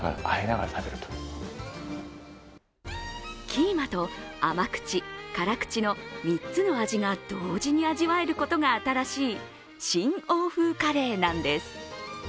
キーマと甘口、辛口の３つの味が同時に味わえることが新しい、新欧風カレーなんです。